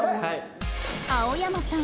青山さん